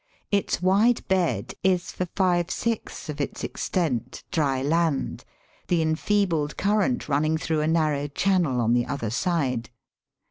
Its wide bed is for five sixths of its extent dry land, the enfeebled current running through a narrow channel on the other side.